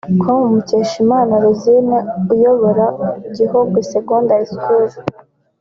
com Mukeshimana Rosine uyobora Gihogwe Secondary School